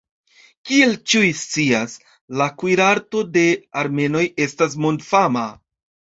Kiel ĉiuj scias, la kuirarto de armenoj estas mondfama.